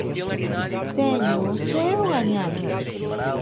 Teño o ceo gañado.